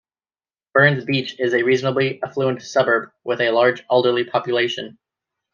Burns Beach is a reasonably affluent suburb with a large elderly population.